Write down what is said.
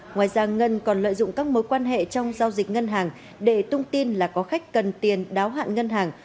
ngoài ra ngân còn lợi dụng các mối quan hệ trong giao dịch ngân hàng để tung tin là có khách cần tiền đáo hạn ngân hàng